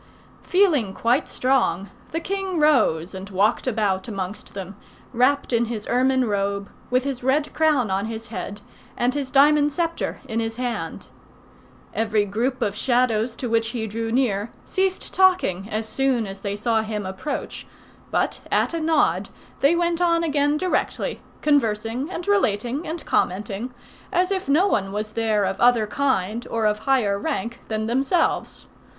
Feeling quite strong, the king rose and walked about amongst them, wrapped in his ermine robe, with his red crown on his head, and his diamond sceptre in his hand. Every group of Shadows to which he drew near, ceased talking as soon as they saw him approach; but at a nod they went on again directly, conversing and relating and commenting, as if no one was there of other kind or of higher rank than themselves.